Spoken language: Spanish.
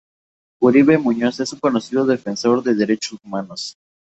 Uribe Muñoz es un reconocido defensor de derechos humanos.